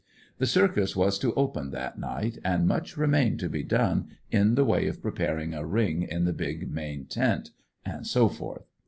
The circus was to open that night, and much remained to be done in the way of preparing a ring in the big main tent, and so forth.